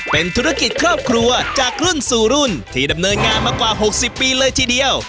เป็นธุรกิจครอบครัวจากรุ่นสู่รุ่นที่ดำเนินงานมากว่า๖๐ปีเลยทีเดียว